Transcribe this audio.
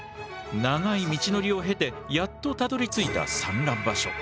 長い道のりを経てやっとたどりついた産卵場所。